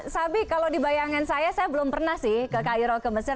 sabik kalau dibayangkan saya saya belum pernah sih ke cairo ke mesir